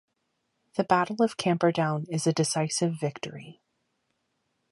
The Battle of Camperdown is a decisive victory.